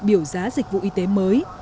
biểu giá dịch vụ y tế mới